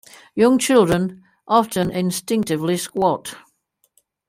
Young children often instinctively squat.